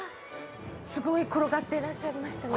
すごい転がっていらっしゃいましたね。